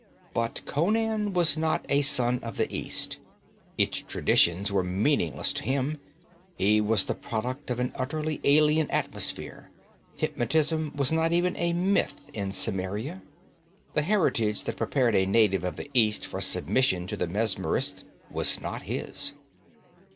But Conan was not a son of the East. Its traditions were meaningless to him; he was the product of an utterly alien atmosphere. Hypnotism was not even a myth in Cimmeria. The heritage that prepared a native of the East for submission to the mesmerist was not his.